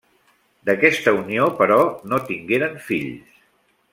D'aquesta unió però no tingueren fills.